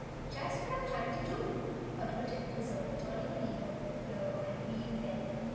"Just what I'm trying to do!" admitted the Wizard, turning a lever here and a wheel there.